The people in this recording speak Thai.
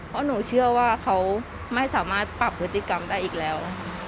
เพราะหนูเชื่อว่าเขาไม่สามารถปรับพฤติกรรมได้อีกแล้ว